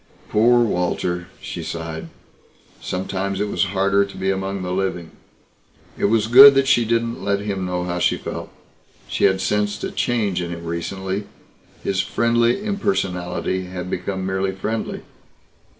Poor Walter she sighed. Sometimes it was harder to be among the living. It was good that she didn't let him know how she felt. She had sensed a change in him recently. His friendly impersonality had become merely friendly.